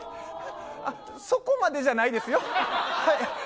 あっ、そこまでじゃないですよ。